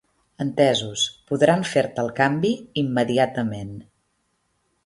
Entesos, podran fer-te el canvi immediatament.